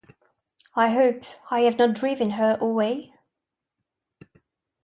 I hope I have not driven her away?